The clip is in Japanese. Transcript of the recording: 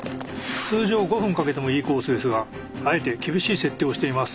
通常５分かけてもいいコースですがあえて厳しい設定をしています。